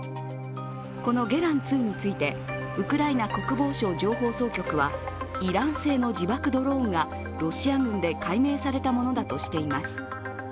このゲラン２について、ウクライナ国防省情報総局はイラン製の自爆ドローンがロシア軍で改名されたものだとしています。